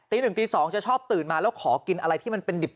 ๑ตี๒จะชอบตื่นมาแล้วขอกินอะไรที่มันเป็นดิบ